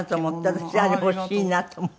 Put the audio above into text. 私あれ欲しいなと思って。